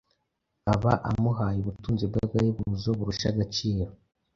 aba amuhaye ubutunzi bw’agahebuzo burusha agaciro